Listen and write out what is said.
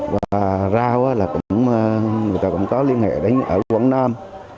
và rau là người ta cũng có liên hệ đánh ở quận nam